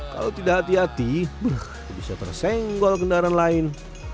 kalau tidak hati hati bisa tersenggol kendaraan lain